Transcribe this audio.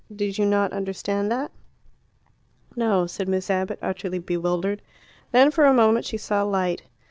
Did you not understand that?" "No," said Miss Abbott, utterly bewildered. Then, for a moment, she saw light.